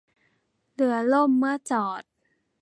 เรือล่มเมื่อจอด